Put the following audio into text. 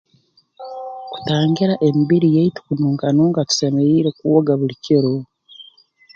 Kutangira emibiri yaitu kununkanunka tusemeriire kwoga buli kiro